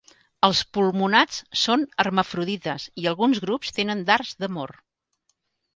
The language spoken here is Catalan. Els pulmonats són hermafrodites, i alguns grups tenen dards d'amor.